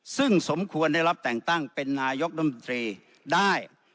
ซึ่งสมควรได้รับแต่งตั้งเป็นนายกรัฐมนตรีได้